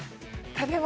食べ物。